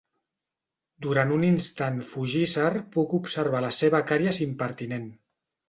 Durant un instant fugisser puc observar la seva càries impertinent.